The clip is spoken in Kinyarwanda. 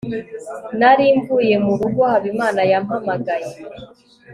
nari mvuye murugo habimana yampamagaye